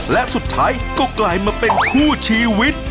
และสุดท้ายก็กลายมาเป็นคู่ชีวิต